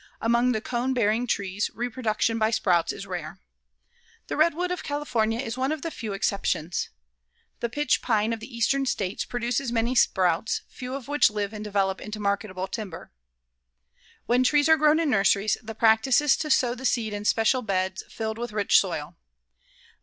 Among the cone bearing trees reproduction by sprouts is rare. The redwood of California is one of the few exceptions. The pitch pine of the Eastern States produces many sprouts, few of which live and develop into marketable timber. When trees are grown in nurseries, the practice is to sow the seed in special beds filled with rich soil.